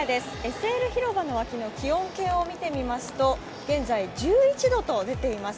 ＳＬ広場のわきの気温計を見てみますと、現在、１１度と出ています。